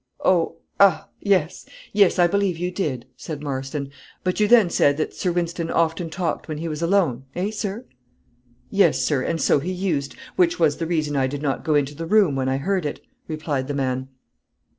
"Oh, ah yes, yes I believe you did," said Marston; "but you then said that Sir Wynston often talked when he was alone; eh, sir?" "Yes, sir, and so he used, which was the reason I did not go into the room when I heard it," replied the man.